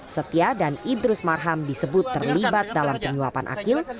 setia dan idrus marham disebut terlibat dalam penyuapan akil